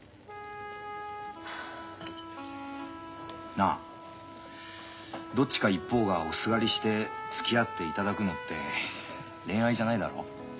なあどっちか一方がおすがりしてつきあっていただくのって恋愛じゃないだろ？